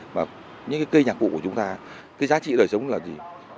và những cái cây nhạc cụ của chúng ta cái giá trị đời sống là gì